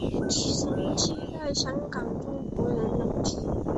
其成绩在香港中无人能及。